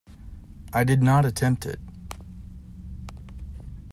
I did not attempt it.